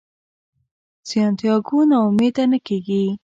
سانتیاګو نا امیده نه کیږي.